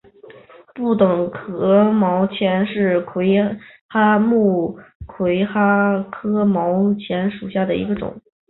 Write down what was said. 不等壳毛蚶是魁蛤目魁蛤科毛蚶属的一种。